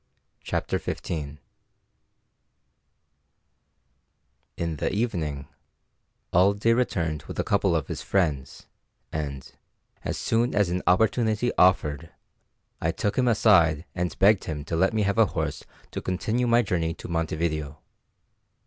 CHAPTER XV In the evening Alday returned with a couple of his friends, and, as soon as an opportunity offered, I took him aside and begged him to let me have a horse to continue my journey to Montevideo.